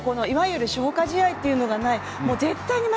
いわゆる消化試合っていうのがない。